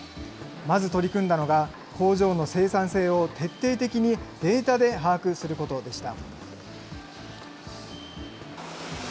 まず取り組んだのが、工場の生産性を徹底的にデータで把握することでした。